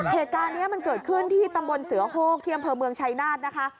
เหตุการณ์นี้มันเกิดขึ้นที่ตำบลเสือโฮกที่อำเภอเมืองชัยนาธนะคะ